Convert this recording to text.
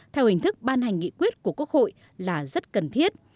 theo hình thức ban hành nghị quyết của quốc hội là rất cần thiết